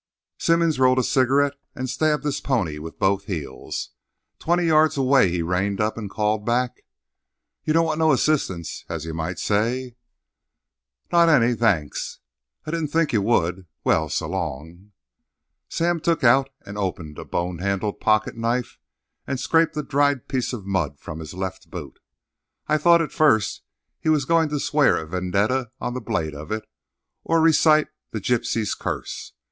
Simmons rolled a cigarette and stabbed his pony with both heels. Twenty yards away he reined up and called back: "You don't want no—assistance, as you might say?" "Not any, thanks." "I didn't think you would. Well, so long!" Sam took out and opened a bone handled pocket knife and scraped a dried piece of mud from his left boot. I thought at first he was going to swear a vendetta on the blade of it, or recite "The Gipsy's Curse."